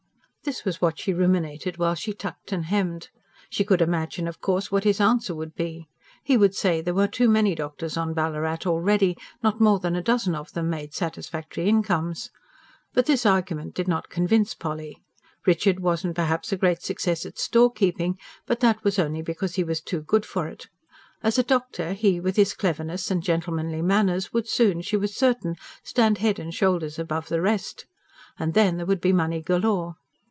This was what she ruminated while she tucked and hemmed. She could imagine, of course, what his answer would be. He would say there were too many doctors on Ballarat already; not more than a dozen of them made satisfactory incomes. But this argument did not convince Polly. Richard wasn't, perhaps, a great success at storekeeping; but that was only because he was too good for it. As a doctor, he with his cleverness and gentlemanly manners would soon, she was certain, stand head and shoulders above the rest. And then there would be money galore.